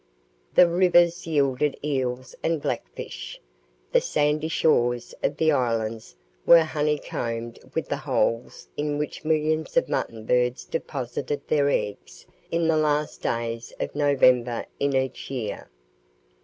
The rivers yielded eels and blackfish. The sandy shores of the islands were honey combed with the holes in which millions of mutton birds deposited their eggs in the last days of November in each year.